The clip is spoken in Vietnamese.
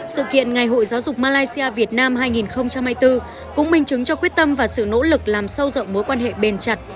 sự kiện ngày hội giáo dục malaysia việt nam hai nghìn hai mươi bốn cũng minh chứng cho quyết tâm và sự nỗ lực làm sâu rộng mối quan hệ bền chặt